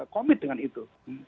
komit dengan itu